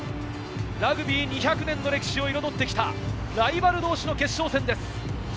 ラグビー２００年の歴史を彩ってきたライバル同士の決勝戦です。